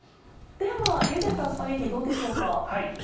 ではゆでたスパゲティどうでしょうか？